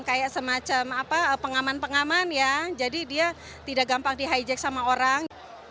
kayak semacam pengaman pengaman ya jadi dia tidak gampang di hijack sama orang